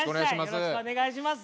よろしくお願いします。